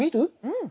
うん。